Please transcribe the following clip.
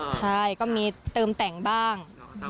ใช่ก็มีเติมแต่งบ้าง